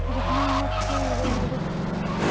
このまま口に入れられるってことですか？